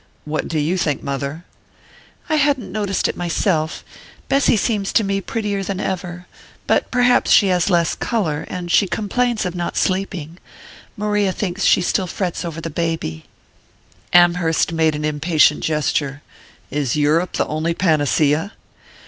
"What do you think, mother?" "I hadn't noticed it myself: Bessy seems to me prettier than ever. But perhaps she has less colour and she complains of not sleeping. Maria thinks she still frets over the baby." Amherst made an impatient gesture. "Is Europe the only panacea?"